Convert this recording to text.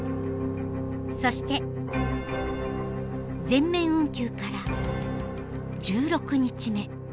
全面運休から１６日目。